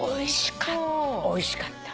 おいしかった。